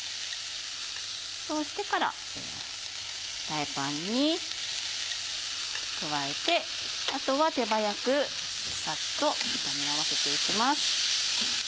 そうしてからフライパンに加えてあとは手早くサッと炒め合わせていきます。